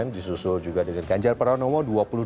disusul juga dengan ganjar pranowo dua puluh delapan empat